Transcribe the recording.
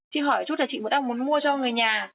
chị hỏi chút là chị đang muốn mua cho người nhà